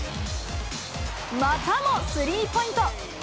またもスリーポイント。